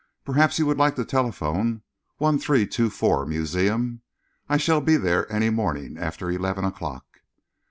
Perhaps you would like to telephone 1324, Museum. I shall be there any morning after eleven o'clock.